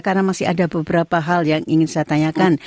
karena masih ada beberapa hal yang ingin saya tanyakan